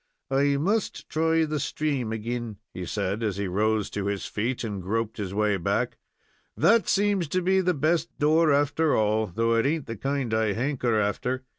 "I must try the stream agin," he said, as he rose to his feet and groped his way back. "That seems to be the best door, after all, though it ain't the kind I hanker after."